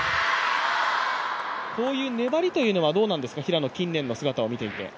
こういう粘りというのはどうなんですか、平野の近年の姿を見ていて。